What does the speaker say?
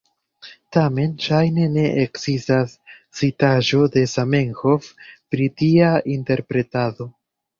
Tamen ŝajne ne ekzistas citaĵo de Zamenhof pri tia interpretado.